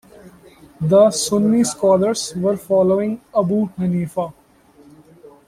The Sunni scholars were following Abu Hanifa.